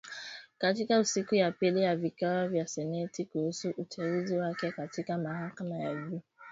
Katika siku ya pili ya vikao vya seneti kuhusu uteuzi wake katika mahakama ya juu